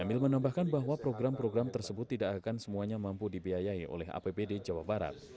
emil menambahkan bahwa program program tersebut tidak akan semuanya mampu dibiayai oleh apbd jawa barat